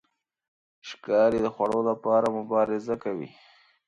ښکاري د خوړو لپاره مبارزه کوي.